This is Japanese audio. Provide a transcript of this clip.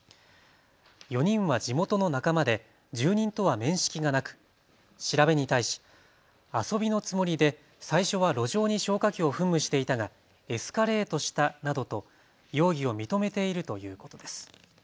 ４人は地元の仲間で住人とは面識がなく、調べに対し遊びのつもりで最初は路上に消火器を噴霧していたがエスカレートしたなどと容疑を認めているということです。